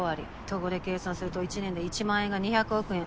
トゴで計算すると１年で１万円が２００億円。